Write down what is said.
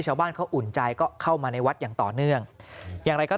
ชาวบ้านเขาอุ่นใจก็เข้ามาในวัดอย่างต่อเนื่องอย่างไรก็